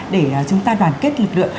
để chúng ta đoàn kết lực lượng